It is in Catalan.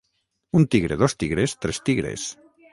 Un tigre, dos tigres, tres tigres